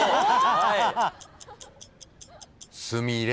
すみれ。